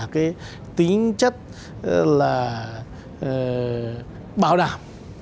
cái tính chất là bảo đảm